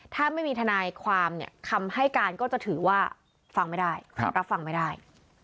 ถ้าไม่มีทนายความเนี่ยคำให้การก็จะถือว่าฟังไม่ได้รับฟังไม่ได้